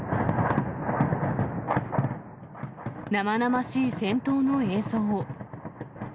生々しい戦闘の映像。